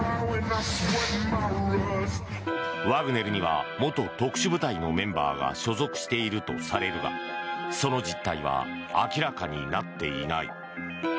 ワグネルには元特殊部隊のメンバーが所属しているとされるがその実態は明らかになっていない。